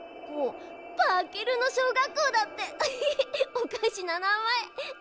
おかしななまえ。